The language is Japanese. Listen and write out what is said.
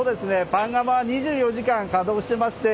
パン窯は２４時間稼働していまして。